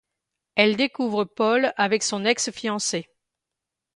Elle découvre Paul avec son ex-fiancée.